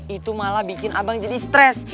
itu malah bikin abang jadi stres